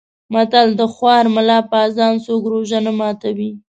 متل: د خوار ملا په اذان څوک روژه نه ماتوي.